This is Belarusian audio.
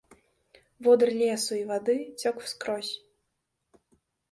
Водыр лесу і вады цёк скрозь.